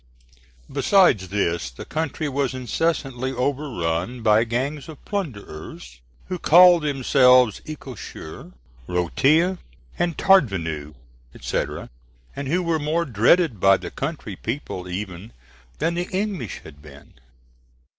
Besides this, the country was incessantly overrun by gangs of plunderers, who called themselves écorcheurs, routiers, tardvenus, &c., and who were more dreaded by the country people even than the English had been.